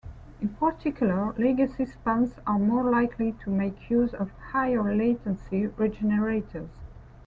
In particular, legacy spans are more likely to make use of higher latency regenerators.